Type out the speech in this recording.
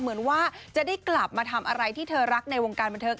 เหมือนว่าจะได้กลับมาทำอะไรที่เธอรักในวงการบันเทิง